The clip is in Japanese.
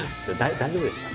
大丈夫でした？